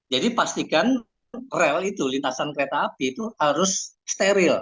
jadi pastikan rel itu lintasan kereta api itu harus steril